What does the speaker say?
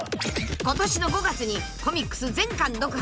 ［今年の５月にコミックス全巻読破］